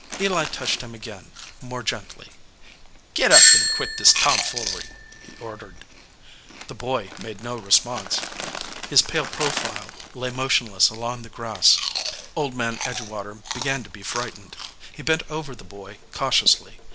Eli touched him again, more gently. "Git up and quit this tomfoolery," he ordered. The boy made no response. His pale profile lay motionless along the grass. Old Man Edgewater began to be frightened. He bent over the boy, cautiously.